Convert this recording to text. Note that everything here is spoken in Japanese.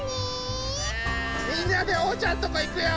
みんなでおうちゃんとこいくよ。